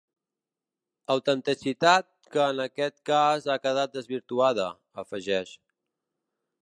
Autenticitat que en aquest cas ha quedat desvirtuada, afegeix.